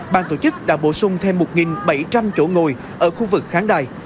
ban tổ chức đã bổ sung thêm một bảy trăm linh chỗ ngồi ở khu vực khán đài